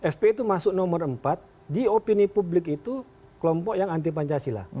fpi itu masuk nomor empat di opini publik itu kelompok yang anti pancasila